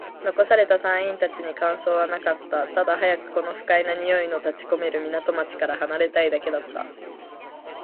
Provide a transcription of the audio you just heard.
残された隊員達に感想はなかった。ただ、早くこの不快な臭いの立ち込める港町から離れたいだけだった。